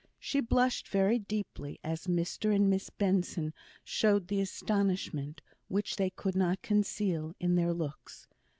She blushed very deeply as Mr and Miss Benson showed the astonishment, which they could not conceal, in their looks.